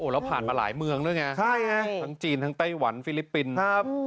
แล้วผ่านมาหลายเมืองทั้งจีนทั้งไต้หวันฟิลิปปินส์